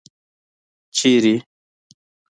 ـ چېرته؟